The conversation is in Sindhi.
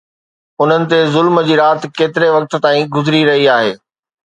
انهن تي ظلم جي رات ڪيتري وقت کان گذري رهي آهي؟